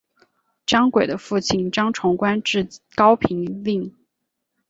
张轨的父亲张崇官至高平令。